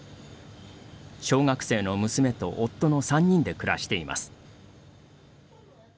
小学生の娘と夫の３人で暮らしています。